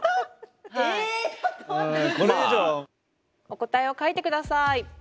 お答えを書いてください。